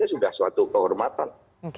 sudah suatu kehormatan